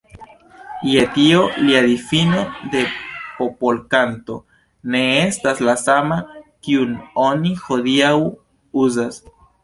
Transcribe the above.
Je tio lia difino de popolkanto ne estas la sama, kiun oni hodiaŭ uzas.